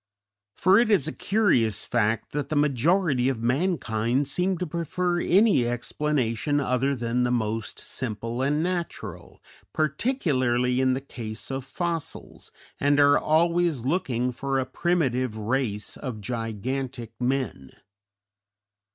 For it is a curious fact that the majority of mankind seem to prefer any explanation other than the most simple and natural, particularly in the case of fossils, and are always looking for a primitive race of gigantic men.